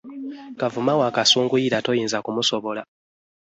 Kavuma wa kasunguyira toyinza kumusobola.